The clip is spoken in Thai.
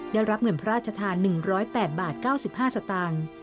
ได้รับเงินพระราชทาน๑๐๘บาท๙๕สตางค์